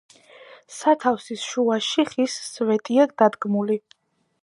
სათავსის შუაში ხის სვეტია დადგმული.